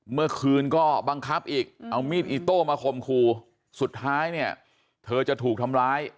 เมื่อคืนก็บังคับอีกเอามีดอิโต้มาข่มขู่สุดท้ายเนี่ยเธอจะถูกทำร้าย